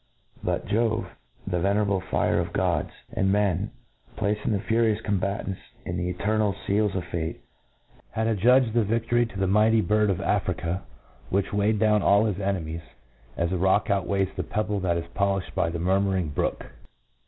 But Jove, the venerable fire of gods, and men, placing the furious combatants in the ete^T nal fcales of fate, had adjudged the. yi£bory to the mighty bird of Africa, which weighed down all his enemie^s, as a rock o^itTweigfas the pebble that '}$ poIUhed by the murmurr ing brook.